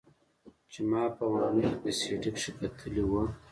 چې ما په واڼه کښې په سي ډي کښې کتلې وه.